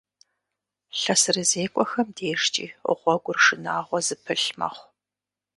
ЛъэсырызекӀуэхэм дежкӀи гъуэгур шынагъуэ зыпылъ мэхъу.